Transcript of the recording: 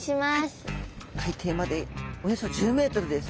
海底までおよそ１０ｍです。